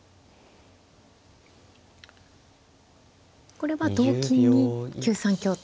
これは同金に９三香と。